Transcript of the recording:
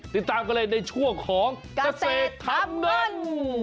ติดตามกันเลยในช่วงของเกษตรทำเงิน